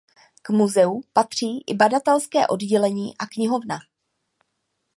K muzeu patří i badatelské oddělení a knihovna.